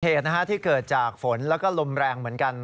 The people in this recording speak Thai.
เหตุที่เกิดจากฝนแล้วก็ลมแรงเหมือนกัน